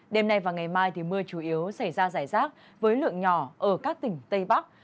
đêm nay và ngày mai thì mưa chủ yếu xảy ra giải rác với lượng nhỏ ở các tỉnh tây bắc